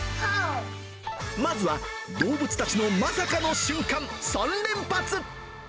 まずは、動物たちのまさかの瞬間３連発！